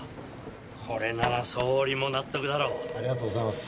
これなら総理も納得だろうありがとうございます